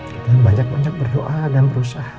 kita banyak banyak berdoa dan berusaha